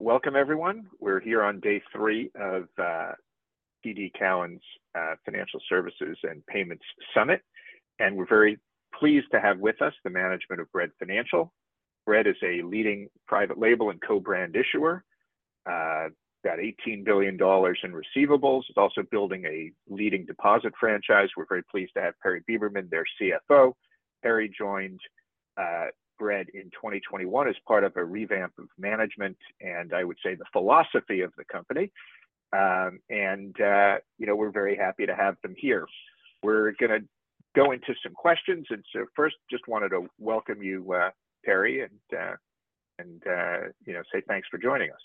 Welcome, everyone. We're here on day three of TD Cowen's Financial Services and Payments Summit, and we're very pleased to have with us the management of Bread Financial. Bread is a leading private label and co-brand issuer. Got $18 billion in receivables. It's also building a leading deposit franchise. We're very pleased to have Perry Beberman, their CFO. Perry joined Bread in 2021 as part of a revamp of management, and I would say the philosophy of the company. And we're very happy to have them here. We're going to go into some questions. And so first, just wanted to welcome you, Perry, and say thanks for joining us.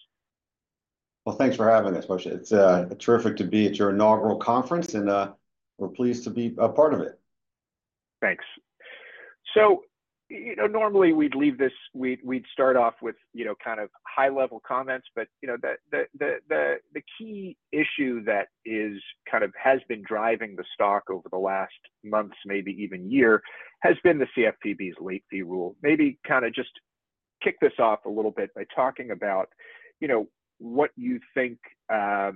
Well, thanks for having us, Moshe. It's terrific to be at your inaugural conference, and we're pleased to be a part of it. Thanks. So normally we'd start off with kind of high-level comments, but the key issue that has been driving the stock over the last months, maybe even year, has been the CFPB's late fee rule. Maybe kind of just kick this off a little bit by talking about what you think are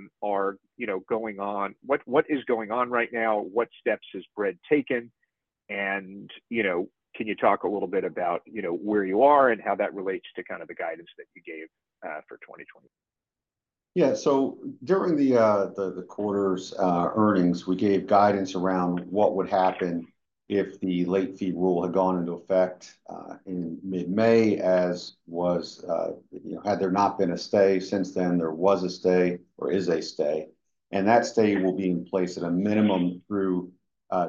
going on. What is going on right now? What steps has Bread taken? And can you talk a little bit about where you are and how that relates to kind of the guidance that you gave for 2020? Yeah. So during the quarter's earnings, we gave guidance around what would happen if the late fee rule had gone into effect in mid-May, as was had there not been a stay since then, there was a stay or is a stay. And that stay will be in place at a minimum through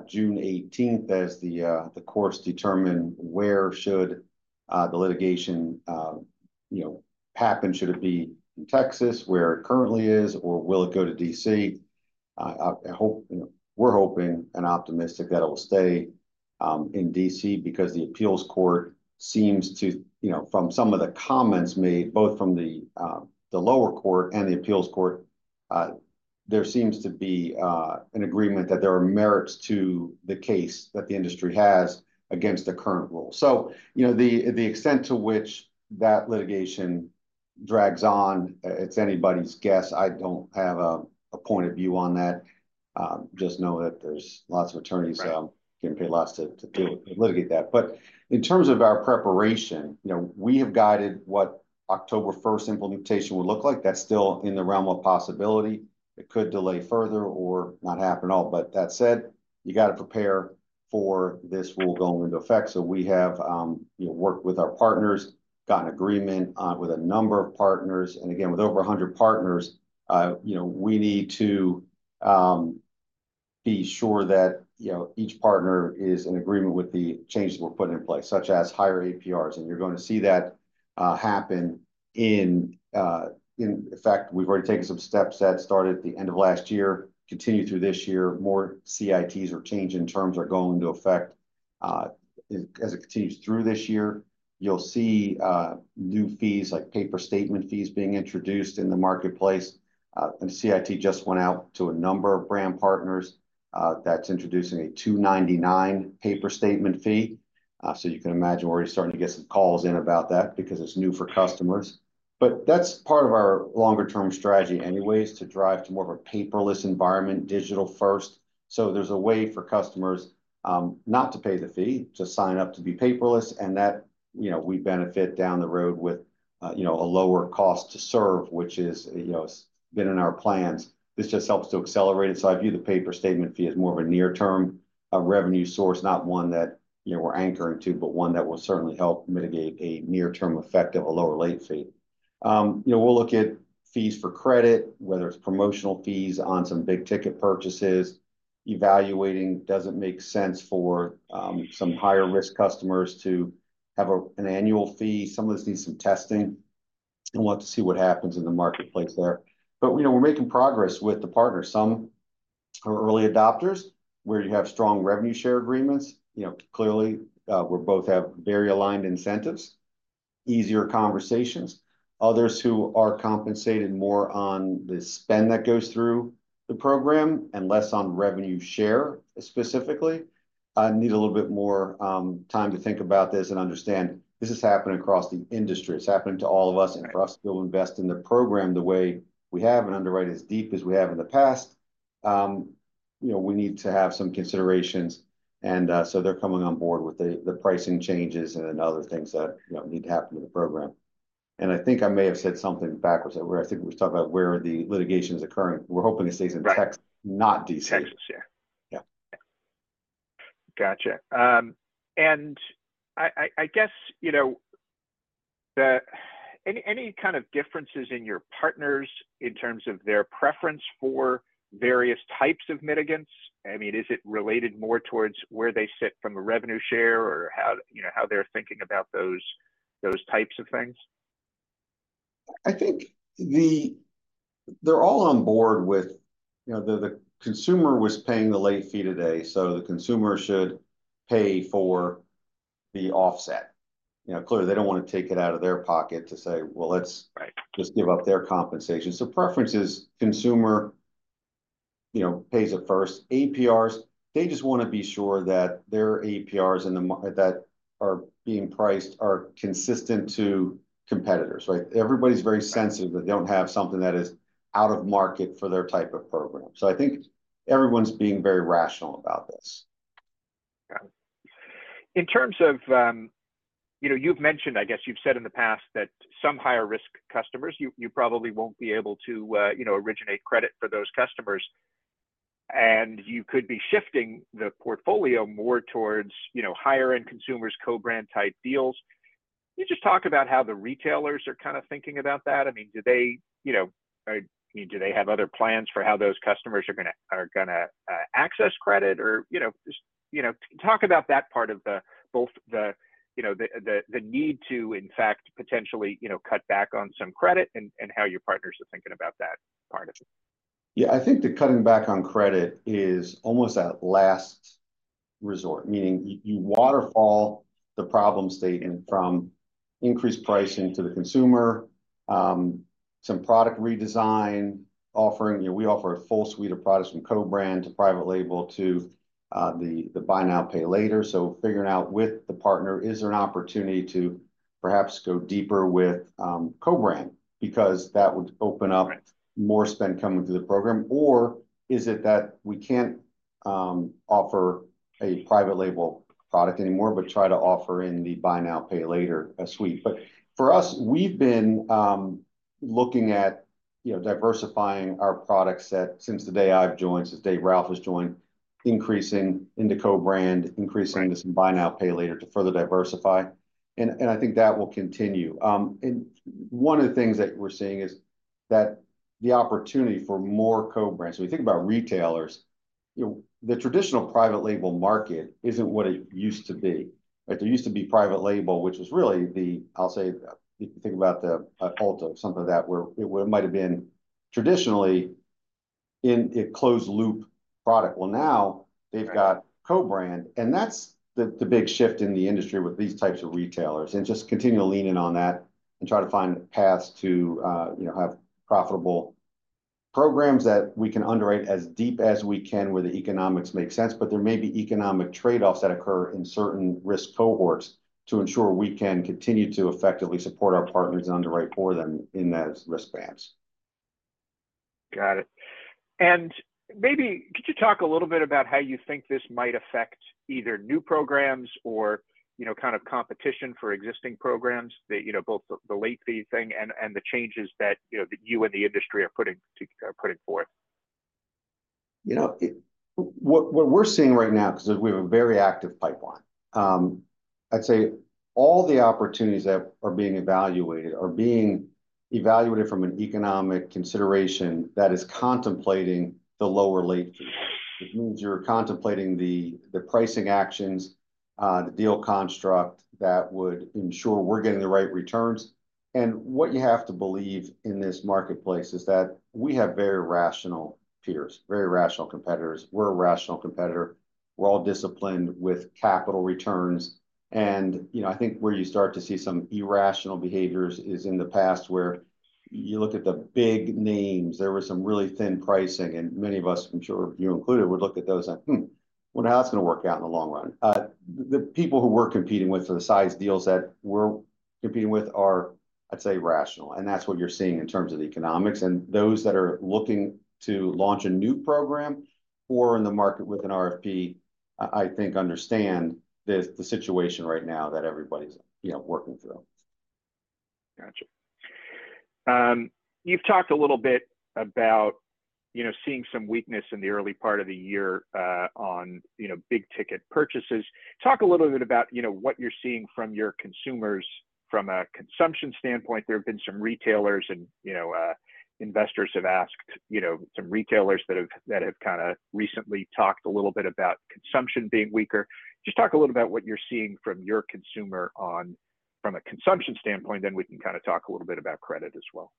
June 18th as the courts determine where should the litigation happen. Should it be in Texas, where it currently is, or will it go to D.C.? We're hoping and optimistic that it will stay in D.C. because the appeals court seems to, from some of the comments made, both from the lower court and the appeals court, there seems to be an agreement that there are merits to the case that the industry has against the current rule. So the extent to which that litigation drags on, it's anybody's guess. I don't have a point of view on that. Just know that there's lots of attorneys who can pay lots to litigate that. In terms of our preparation, we have guided what October 1st implementation would look like. That's still in the realm of possibility. It could delay further or not happen at all. That said, you got to prepare for this rule going into effect. We have worked with our partners, gotten agreement with a number of partners. Again, with over 100 partners, we need to be sure that each partner is in agreement with the changes we're putting in place, such as higher APRs. You're going to see that happen in effect. We've already taken some steps that started at the end of last year, continue through this year. More CITs or change-in-terms are going into effect as it continues through this year. You'll see new fees like paper statement fees being introduced in the marketplace. CIT just went out to a number of brand partners that's introducing a $2.99 paper statement fee. So you can imagine we're already starting to get some calls in about that because it's new for customers. But that's part of our longer-term strategy anyways to drive to more of a paperless environment, digital first. So there's a way for customers not to pay the fee, to sign up to be paperless. And that we benefit down the road with a lower cost to serve, which has been in our plans. This just helps to accelerate it. So I view the paper statement fee as more of a near-term revenue source, not one that we're anchoring to, but one that will certainly help mitigate a near-term effect of a lower late fee. We'll look at fees for credit, whether it's promotional fees on some big ticket purchases. Evaluating doesn't make sense for some higher-risk customers to have an annual fee. Some of this needs some testing. We'll have to see what happens in the marketplace there. But we're making progress with the partners. Some are early adopters where you have strong revenue share agreements. Clearly, we both have very aligned incentives, easier conversations. Others who are compensated more on the spend that goes through the program and less on revenue share specifically need a little bit more time to think about this and understand this is happening across the industry. It's happening to all of us. For us to go invest in the program the way we have and underwrite as deep as we have in the past, we need to have some considerations. So they're coming on board with the pricing changes and other things that need to happen to the program. I think I may have said something backwards. I think we were talking about where the litigation is occurring. We're hoping it stays in Texas, not D.C. Texas. Yeah. Gotcha. And I guess any kind of differences in your partners in terms of their preference for various types of mitigants? I mean, is it related more towards where they sit from a revenue share or how they're thinking about those types of things? I think they're all on board with the consumer was paying the late fee today, so the consumer should pay for the offset. Clearly, they don't want to take it out of their pocket to say, "Well, let's just give up their compensation." So preference is consumer pays it first. APRs, they just want to be sure that their APRs that are being priced are consistent to competitors, right? Everybody's very sensitive that they don't have something that is out of market for their type of program. So I think everyone's being very rational about this. Got it. In terms of you've mentioned, I guess you've said in the past that some higher-risk customers, you probably won't be able to originate credit for those customers. And you could be shifting the portfolio more towards higher-end consumers, co-brand type deals. Can you just talk about how the retailers are kind of thinking about that? I mean, do they have other plans for how those customers are going to access credit? Or just talk about that part of both the need to, in fact, potentially cut back on some credit and how your partners are thinking about that part of it. Yeah. I think the cutting back on credit is almost that last resort, meaning you waterfall the problem statement from increased pricing to the consumer, some product redesign offering. We offer a full suite of products from co-brand to private label to the buy now, pay later. So figuring out with the partner, is there an opportunity to perhaps go deeper with co-brand because that would open up more spend coming through the program? Or is it that we can't offer a private label product anymore, but try to offer in the buy now, pay later suite? But for us, we've been looking at diversifying our products since the day I've joined, since day Ralph has joined, increasing into co-brand, increasing to some buy now, pay later to further diversify. And I think that will continue. One of the things that we're seeing is that the opportunity for more co-brands. We think about retailers. The traditional private label market isn't what it used to be. There used to be private label, which was really the, I'll say, if you think about the evolution of something that, where it might have been traditionally in a closed-loop product. Well, now they've got co-brand. And that's the big shift in the industry with these types of retailers, and just continue to lean in on that and try to find paths to have profitable programs that we can underwrite as deep as we can where the economics make sense. But there may be economic trade-offs that occur in certain risk cohorts to ensure we can continue to effectively support our partners and underwrite for them in those risk bands. Got it. Maybe could you talk a little bit about how you think this might affect either new programs or kind of competition for existing programs, both the late fee thing and the changes that you and the industry are putting forth? What we're seeing right now, because we have a very active pipeline, I'd say all the opportunities that are being evaluated are being evaluated from an economic consideration that is contemplating the lower late fee. It means you're contemplating the pricing actions, the deal construct that would ensure we're getting the right returns. And what you have to believe in this marketplace is that we have very rational peers, very rational competitors. We're a rational competitor. We're all disciplined with capital returns. And I think where you start to see some irrational behaviors is in the past where you look at the big names, there were some really thin pricing. Many of us, I'm sure you included, would look at those and, "Well, how's it going to work out in the long run?" The people who we're competing with for the size deals that we're competing with are, I'd say, rational. That's what you're seeing in terms of the economics. Those that are looking to launch a new program or in the market with an RFP, I think understand the situation right now that everybody's working through. Gotcha. You've talked a little bit about seeing some weakness in the early part of the year on big ticket purchases. Talk a little bit about what you're seeing from your consumers from a consumption standpoint. There have been some retailers, and investors have asked some retailers that have kind of recently talked a little bit about consumption being weaker. Just talk a little bit about what you're seeing from your consumer from a consumption standpoint. Then we can kind of talk a little bit about credit as well.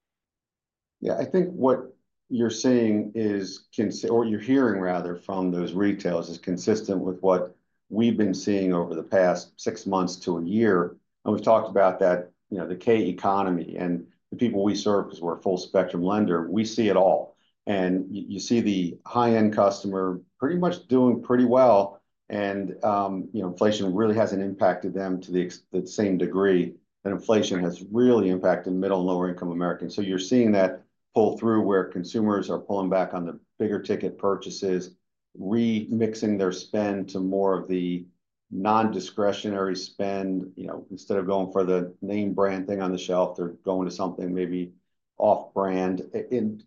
Yeah. I think what you're seeing is, or you're hearing rather from those retailers is consistent with what we've been seeing over the past six months to a year. We've talked about the K-economy and the people we serve because we're a full-spectrum lender. We see it all. You see the high-end customer pretty much doing pretty well. Inflation really hasn't impacted them to the same degree. Inflation has really impacted middle and lower-income Americans. You're seeing that pull through where consumers are pulling back on the bigger ticket purchases, remixing their spend to more of the non-discretionary spend. Instead of going for the name brand thing on the shelf, they're going to something maybe off-brand.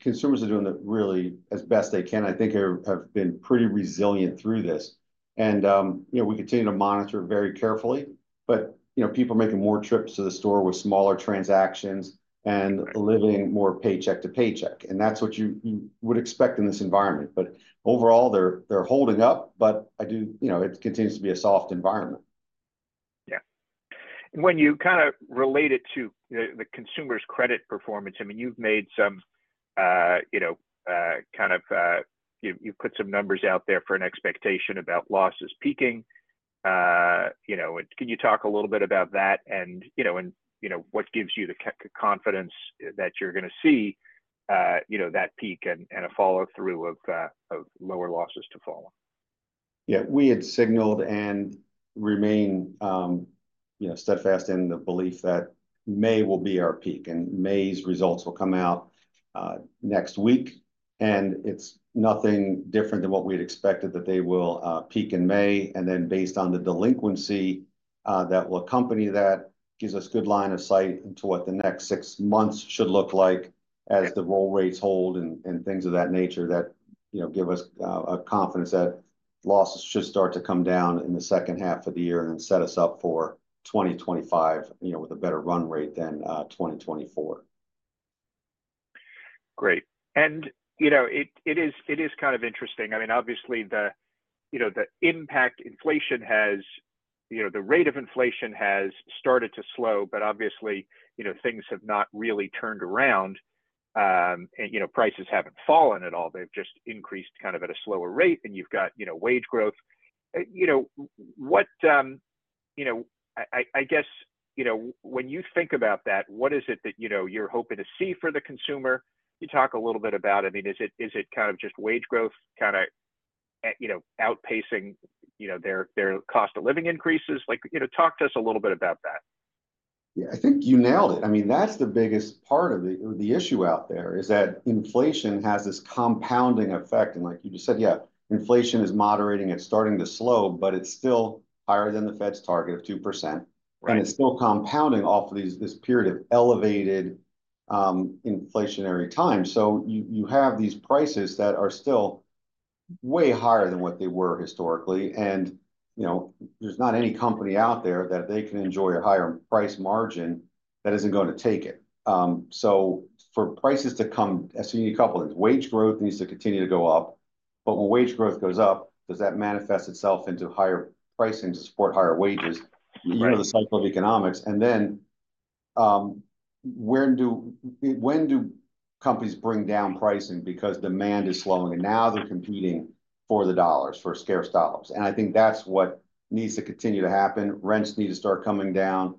Consumers are doing it really as best they can. I think they have been pretty resilient through this. We continue to monitor very carefully. People are making more trips to the store with smaller transactions and living more paycheck to paycheck. That's what you would expect in this environment. Overall, they're holding up. It continues to be a soft environment. Yeah. When you kind of relate it to the consumer's credit performance, I mean, you've put some numbers out there for an expectation about losses peaking. Can you talk a little bit about that and what gives you the confidence that you're going to see that peak and a follow-through of lower losses to follow? Yeah. We had signaled and remain steadfast in the belief that May will be our peak and May's results will come out next week. It's nothing different than what we had expected that they will peak in May. Then based on the delinquency that will accompany that, gives us a good line of sight into what the next six months should look like as the roll rates hold and things of that nature that give us confidence that losses should start to come down in the second half of the year and then set us up for 2025 with a better run rate than 2024. Great. And it is kind of interesting. I mean, obviously, the impact inflation has, the rate of inflation has started to slow, but obviously, things have not really turned around. And prices haven't fallen at all. They've just increased kind of at a slower rate. And you've got wage growth. What I guess when you think about that, what is it that you're hoping to see for the consumer? You talk a little bit about, I mean, is it kind of just wage growth kind of outpacing their cost of living increases? Talk to us a little bit about that. Yeah. I think you nailed it. I mean, that's the biggest part of the issue out there is that inflation has this compounding effect. And like you just said, yeah, inflation is moderating. It's starting to slow, but it's still higher than the Fed's target of 2%. And it's still compounding off of this period of elevated inflationary time. So you have these prices that are still way higher than what they were historically. And there's not any company out there that they can enjoy a higher price margin that isn't going to take it. So for prices to come, I see a couple of things. Wage growth needs to continue to go up. But when wage growth goes up, does that manifest itself into higher pricing to support higher wages? You know the cycle of economics. And then when do companies bring down pricing because demand is slowing? Now they're competing for the dollars for scarce dollars. And I think that's what needs to continue to happen. Rents need to start coming down.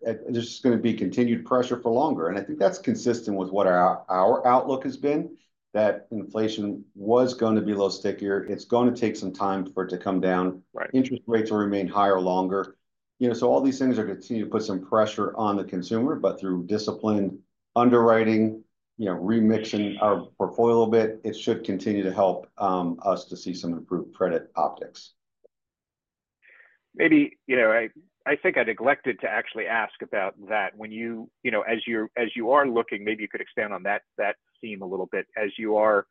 There's just going to be continued pressure for longer. And I think that's consistent with what our outlook has been, that inflation was going to be a little stickier. It's going to take some time for it to come down. Interest rates will remain higher longer. So all these things are going to continue to put some pressure on the consumer, but through disciplined underwriting, remixing our portfolio a little bit, it should continue to help us to see some improved credit optics. Maybe I think I neglected to actually ask about that. As you are looking, maybe you could expand on that theme a little bit. As you are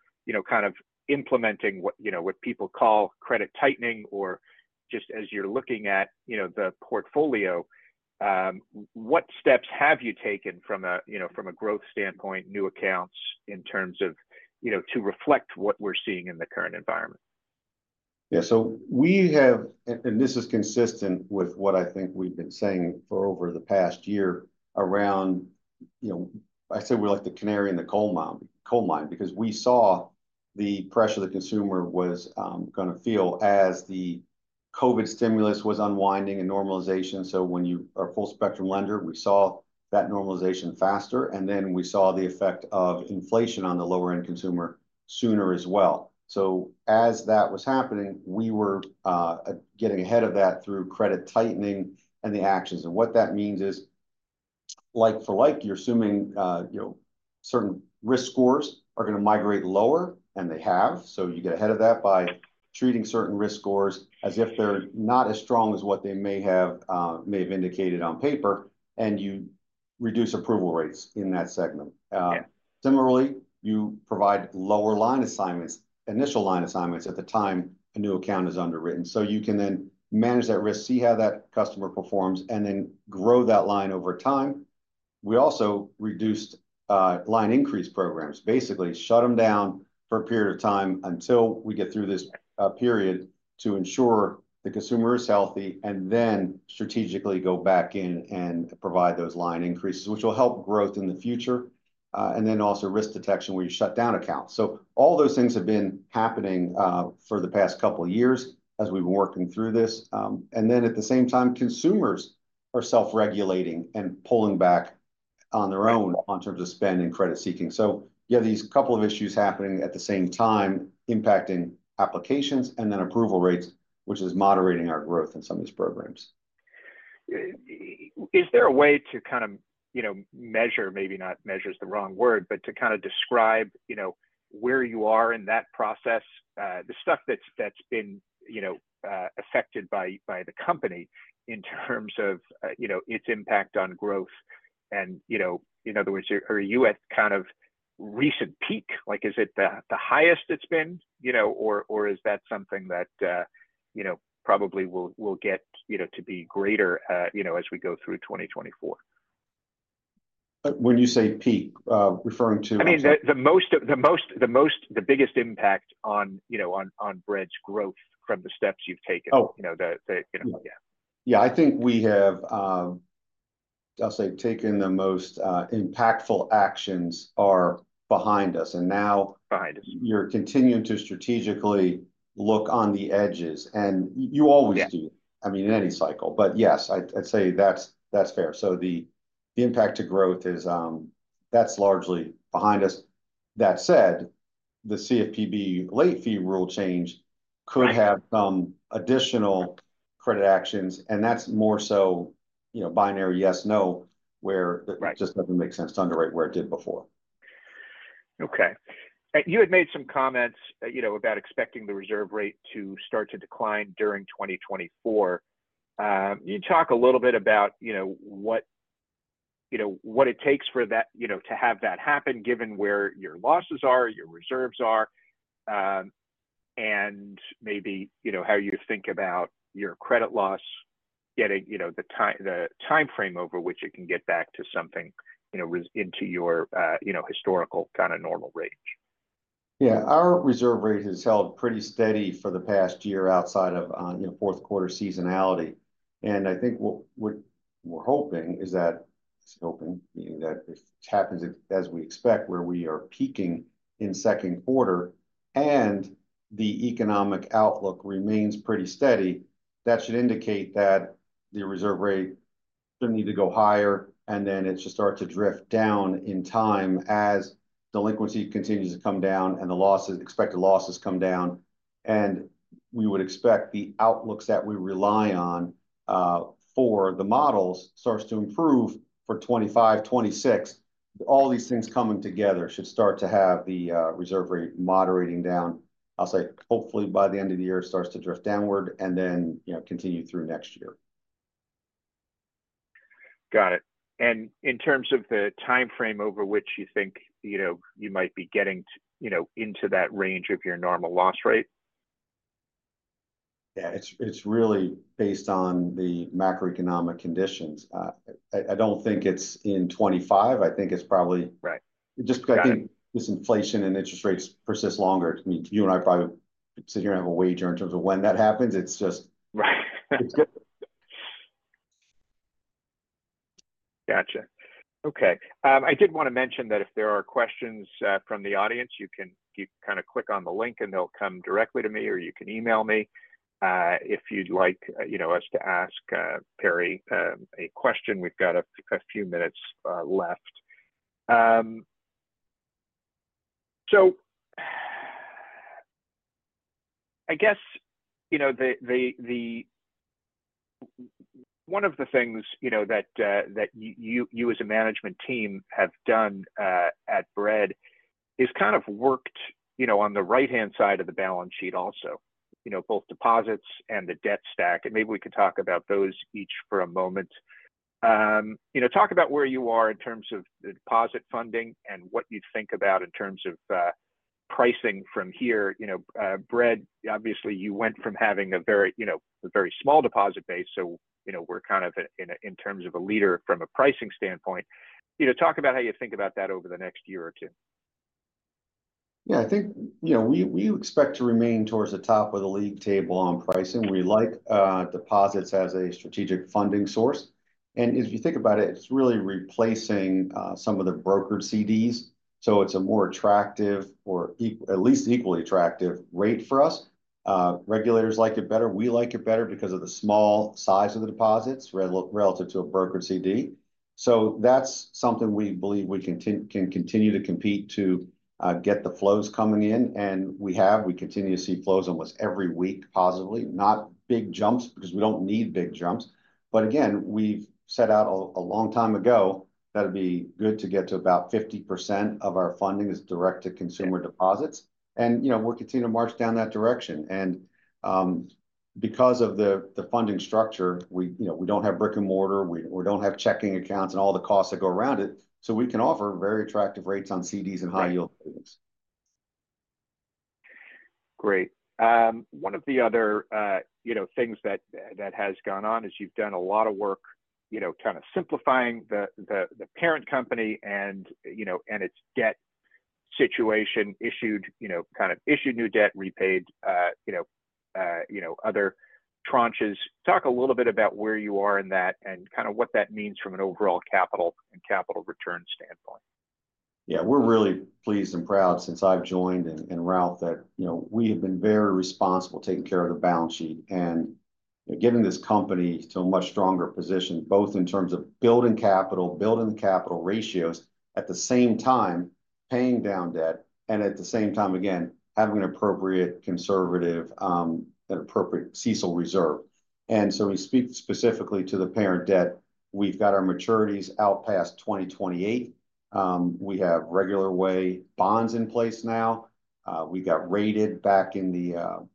kind of implementing what people call credit tightening or just as you're looking at the portfolio, what steps have you taken from a growth standpoint, new accounts in terms of to reflect what we're seeing in the current environment? Yeah. So we have, and this is consistent with what I think we've been saying for over the past year around. I say we're like the canary in the coal mine because we saw the pressure the consumer was going to feel as the COVID stimulus was unwinding and normalization. So when you are a full-spectrum lender, we saw that normalization faster. And then we saw the effect of inflation on the lower-end consumer sooner as well. So as that was happening, we were getting ahead of that through credit tightening and the actions. And what that means is, like for like, you're assuming certain risk scores are going to migrate lower, and they have. So you get ahead of that by treating certain risk scores as if they're not as strong as what they may have indicated on paper, and you reduce approval rates in that segment. Similarly, you provide lower line assignments, initial line assignments at the time a new account is underwritten. So you can then manage that risk, see how that customer performs, and then grow that line over time. We also reduced line increase programs. Basically, shut them down for a period of time until we get through this period to ensure the consumer is healthy and then strategically go back in and provide those line increases, which will help growth in the future. And then also risk detection where you shut down accounts. So all those things have been happening for the past couple of years as we've been working through this. And then at the same time, consumers are self-regulating and pulling back on their own in terms of spend and credit seeking. You have these couple of issues happening at the same time, impacting applications and then approval rates, which is moderating our growth in some of these programs. Is there a way to kind of measure, maybe not measure is the wrong word, but to kind of describe where you are in that process, the stuff that's been affected by the company in terms of its impact on growth? And in other words, are you at kind of recent peak? Is it the highest it's been, or is that something that probably will get to be greater as we go through 2024? When you say peak, referring to? I mean, the biggest impact on Bread's growth from the steps you've taken. Oh, yeah. Yeah. I think we have, I'll say, taken the most impactful actions are behind us. And now you're continuing to strategically look on the edges. And you always do. I mean, in any cycle. But yes, I'd say that's fair. So the impact to growth is that's largely behind us. That said, the CFPB late fee rule change could have some additional credit actions. And that's more so binary yes, no, where it just doesn't make sense to underwrite where it did before. Okay. You had made some comments about expecting the reserve rate to start to decline during 2024. Can you talk a little bit about what it takes for that to have that happen given where your losses are, your reserves are, and maybe how you think about your credit loss, getting the timeframe over which it can get back to something into your historical kind of normal range? Yeah. Our reserve rate has held pretty steady for the past year outside of fourth quarter seasonality. I think what we're hoping is that if it happens as we expect where we are peaking in second quarter and the economic outlook remains pretty steady, that should indicate that the reserve rate shouldn't need to go higher. Then it should start to drift down in time as delinquency continues to come down and the expected losses come down. We would expect the outlooks that we rely on for the models starts to improve for 2025, 2026. All these things coming together should start to have the reserve rate moderating down. I'll say hopefully by the end of the year, it starts to drift downward and then continue through next year. Got it. And in terms of the timeframe over which you think you might be getting into that range of your normal loss rate? Yeah. It's really based on the macroeconomic conditions. I don't think it's in 2025. I think it's probably just because I think this inflation and interest rates persist longer. I mean, you and I probably sit here and have a wager in terms of when that happens. It's just. Right. Gotcha. Okay. I did want to mention that if there are questions from the audience, you can kind of click on the link and they'll come directly to me, or you can email me if you'd like us to ask Perry a question. We've got a few minutes left. So, I guess one of the things that you as a management team have done at Bread is kind of worked on the right-hand side of the balance sheet also, both deposits and the debt stack. Maybe we could talk about those each for a moment. Talk about where you are in terms of the deposit funding and what you think about in terms of pricing from here. Bread, obviously, you went from having a very small deposit base. So we're kind of in terms of a leader from a pricing standpoint. Talk about how you think about that over the next year or two. Yeah. I think we expect to remain towards the top of the league table on pricing. We like deposits as a strategic funding source. And if you think about it, it's really replacing some of the brokered CDs. So it's a more attractive or at least equally attractive rate for us. Regulators like it better. We like it better because of the small size of the deposits relative to a brokered CD. So that's something we believe we can continue to compete to get the flows coming in. And we have, we continue to see flows almost every week positively. Not big jumps because we don't need big jumps. But again, we've set out a long time ago that it'd be good to get to about 50% of our funding as direct-to-consumer deposits. And we're continuing to march down that direction. And because of the funding structure, we don't have brick and mortar. We don't have checking accounts and all the costs that go around it. So we can offer very attractive rates on CDs and high-yield savings. Great. One of the other things that has gone on is you've done a lot of work kind of simplifying the parent company and its debt situation, issued new debt, repaid other tranches. Talk a little bit about where you are in that and kind of what that means from an overall capital and capital return standpoint. Yeah. We're really pleased and proud since I've joined and Ralph that we have been very responsible taking care of the balance sheet and getting this company to a much stronger position, both in terms of building capital, building the capital ratios, at the same time paying down debt, and at the same time, again, having an appropriate conservative and appropriate CECL reserve. So we speak specifically to the parent debt. We've got our maturities out past 2028. We have regular way bonds in place now. We got rated back in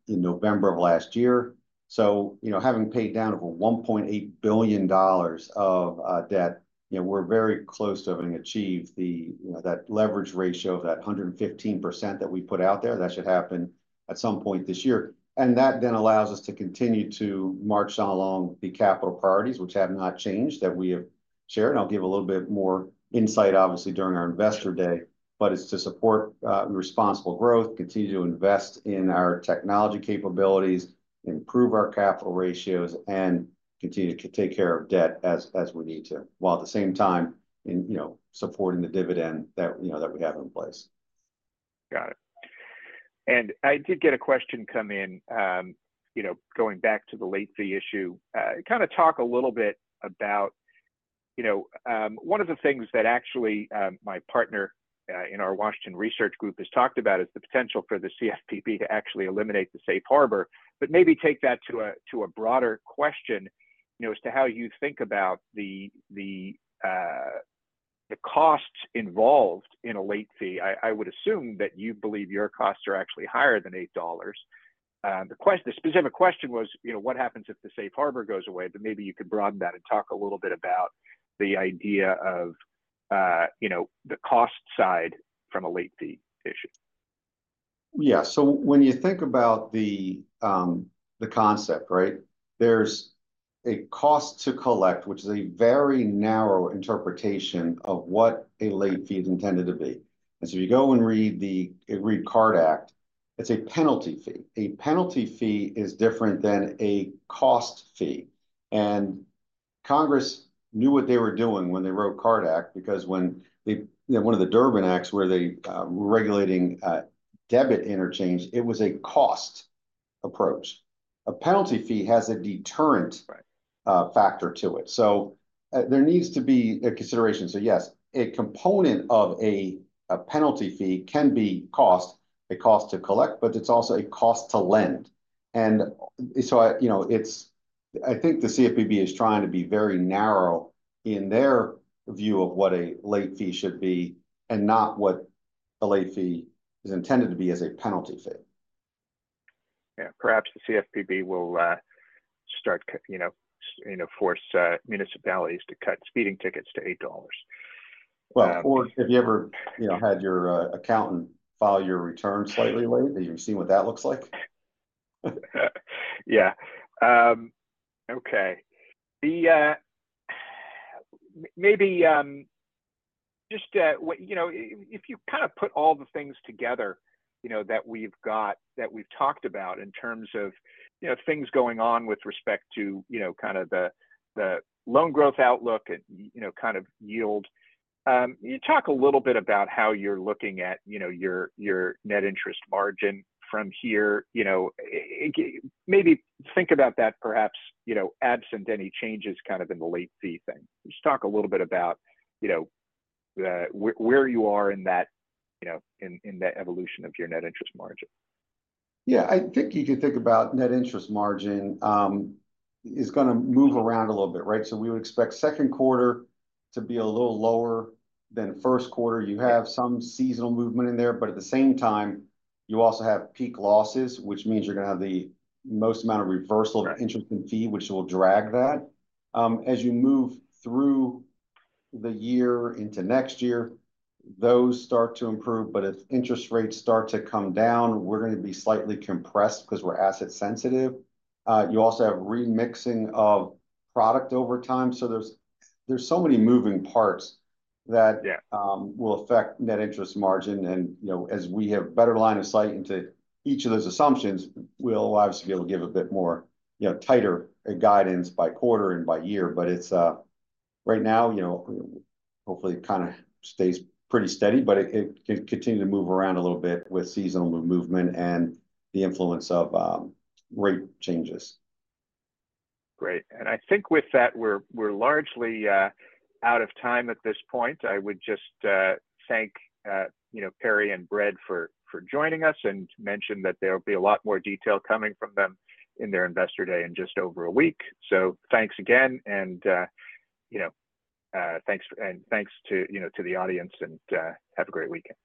November of last year. So having paid down over $1.8 billion of debt, we're very close to having achieved that leverage ratio of that 115% that we put out there. That should happen at some point this year. That then allows us to continue to march on along the capital priorities, which have not changed that we have shared. I'll give a little bit more insight, obviously, during our Investor Day, but it's to support responsible growth, continue to invest in our technology capabilities, improve our capital ratios, and continue to take care of debt as we need to, while at the same time supporting the dividend that we have in place. Got it. I did get a question come in going back to the late fee issue. Kind of talk a little bit about one of the things that actually my partner in our Washington research group has talked about is the potential for the CFPB to actually eliminate the safe harbor, but maybe take that to a broader question as to how you think about the costs involved in a late fee. I would assume that you believe your costs are actually higher than $8. The specific question was, what happens if the safe harbor goes away? Maybe you could broaden that and talk a little bit about the idea of the cost side from a late fee issue. Yeah. So when you think about the concept, right, there's a cost to collect, which is a very narrow interpretation of what a late fee is intended to be. And so if you go and read the CARD Act, it's a penalty fee. A penalty fee is different than a cost fee. And Congress knew what they were doing when they wrote CARD Act because when one of the Durbin Acts where they were regulating debit interchange, it was a cost approach. A penalty fee has a deterrent factor to it. So there needs to be a consideration. So yes, a component of a penalty fee can be cost, a cost to collect, but it's also a cost to lend. I think the CFPB is trying to be very narrow in their view of what a late fee should be and not what a late fee is intended to be as a penalty fee. Yeah. Perhaps the CFPB will start to force municipalities to cut speeding tickets to $8. Well, or have you ever had your accountant file your return slightly late? Have you seen what that looks like? Yeah. Okay. Maybe just if you kind of put all the things together that we've talked about in terms of things going on with respect to kind of the loan growth outlook and kind of yield, you talk a little bit about how you're looking at your net interest margin from here. Maybe think about that perhaps absent any changes kind of in the late fee thing. Just talk a little bit about where you are in that evolution of your net interest margin. Yeah. I think you could think about net interest margin is going to move around a little bit, right? So we would expect second quarter to be a little lower than first quarter. You have some seasonal movement in there, but at the same time, you also have peak losses, which means you're going to have the most amount of reversal of interest and fee, which will drag that. As you move through the year into next year, those start to improve, but if interest rates start to come down, we're going to be slightly compressed because we're asset sensitive. You also have remixing of product over time. So there's so many moving parts that will affect net interest margin. And as we have better line of sight into each of those assumptions, we'll obviously be able to give a bit more tighter guidance by quarter and by year. Right now, hopefully, it kind of stays pretty steady, but it can continue to move around a little bit with seasonal movement and the influence of rate changes. Great. And I think with that, we're largely out of time at this point. I would just thank Perry and Bread for joining us and mentioned that there will be a lot more detail coming from them in their investor day in just over a week. So thanks again. And thanks to the audience and have a great weekend.